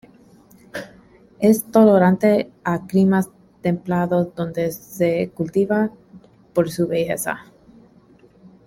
Es tolerante a climas templados donde se cultiva por su belleza.